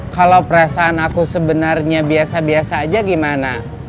kalau perasaan aku sebenarnya biasa biasa aja gimana